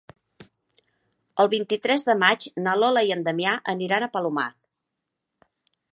El vint-i-tres de maig na Lola i en Damià aniran al Palomar.